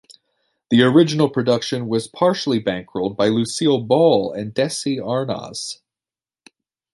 The original production was partially bankrolled by Lucille Ball and Desi Arnaz.